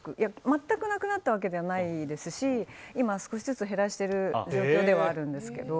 全くなくなったわけではないですし今少しずつ減らしている状況ではあるんですけど。